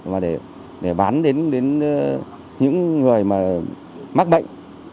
và để bán đến những người mắc bệnh